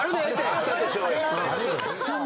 あったとしようよ。